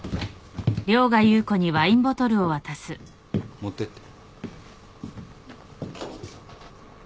持ってって。